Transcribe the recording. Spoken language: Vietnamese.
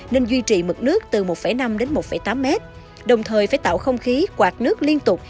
nên duy trì mực nước từ một năm đến một tám mét đồng thời phải tạo không khí quạt nước liên tục